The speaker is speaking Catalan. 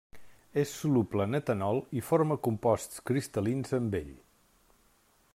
És soluble en etanol i forma composts cristal·lins amb ell.